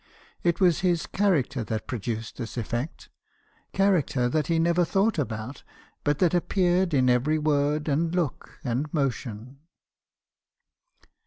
It was his character that produced this effect — character that he never thought about, but that appeared in every word, and look, and motion.